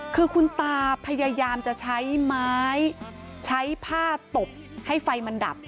คือคุณตาพยายามจะใช้ไม้ใช้ผ้าตบให้ไฟมันดับ